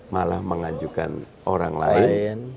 malah mengajukan orang lain